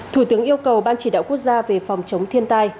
thủ tướng yêu cầu ban chỉ đạo quốc gia về phòng chống thiên tai